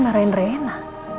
ambi marahin reina